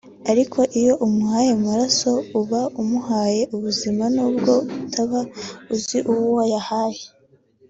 Ariko iyo umuhaye amaraso uba umuhaye ubuzima nubwo utaba uzi uwo uyahaye